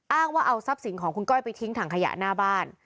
อ้างว่าเอาทรัพย์สินของคุณก้อยไปทิ้งถังขยะหน้าบ้าน